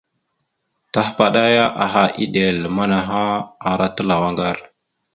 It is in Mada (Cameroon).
Tahəpaɗaya aha, eɗel manaha ara talaw aŋgar.